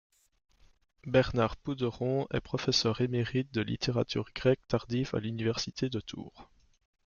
Bernard Pouderon est professeur émérite de littérature grecque tardive à l'université de Tours.